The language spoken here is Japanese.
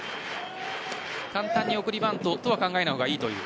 簡単に送りバントとは考えないほうがいいという。